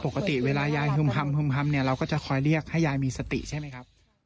อ๋อปกติเวลายายฮุ่มฮัมฮุ่มฮัมเนี่ยเราก็จะคอยเรียกให้ยายมีสติใช่ไหมครับ